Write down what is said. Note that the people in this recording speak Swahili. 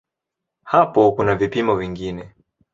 Hapo kuna vipimo vingine.